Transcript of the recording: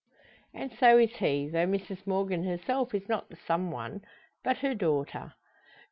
And so is he, though Mrs Morgan herself is not the some one but her daughter.